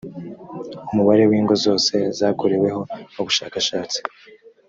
umubare w ingo zose zakoreweho ubushakashatsi